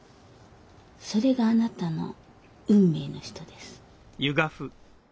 それがあなたの運命の人です。